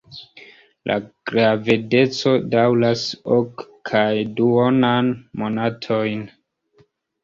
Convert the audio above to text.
La gravedeco daŭras ok kaj duonan monatojn.